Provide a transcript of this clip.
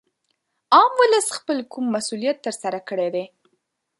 عام ولس خپل کوم مسولیت تر سره کړی دی